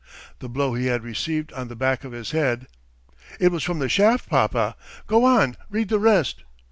The blow he had received on the back of his head. .." "It was from the shaft, papa. Go on! Read the rest!"